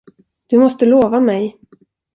Du måste lova mig!